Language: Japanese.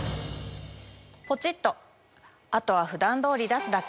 ポチっとあとは普段通り出すだけ。